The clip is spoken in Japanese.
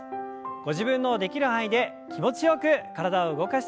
ご自分のできる範囲で気持ちよく体を動かしていきましょう。